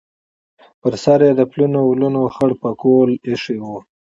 پر سر یې د پلنو ولونو خړ پکول ایښی و.